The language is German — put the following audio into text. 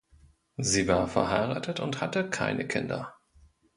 Sie war verheiratet und hatte keine Kinder.